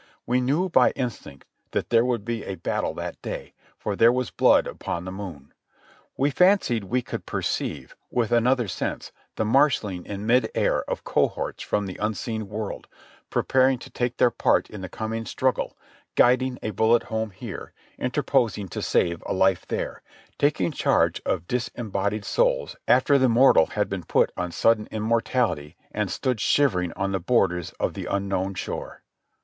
We knew by instinct that there would be a battle that day ; for there was blood upon the moon. We fancied we could per ceive, with another sense, the marshalling in mid air of cohorts from the unseen world, preparing to take their part in the coming struggle, guiding a bullet home here, interposing to save a life there, taking charge of disembodied souls after the mortal had put on sudden immortality and stood shivering on the borders of the Unknow^n Shore.